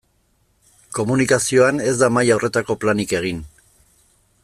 Komunikazioan ez da maila horretako planik egin.